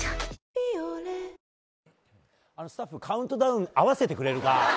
「ビオレ」スタッフ、カウントダウン合わせてくれるか？